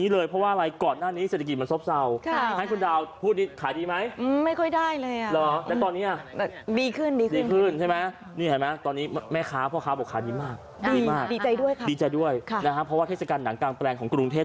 นะครับพ่อคะแม่คะทุกคน